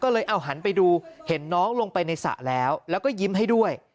ก็เลยเอาหันไปดูเห็นน้องลงไปในสระแล้วแล้วก็ยิ้มให้ด้วย